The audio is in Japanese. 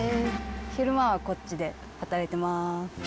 昼間はこっちで働いてます！